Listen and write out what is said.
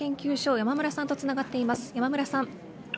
山村さん。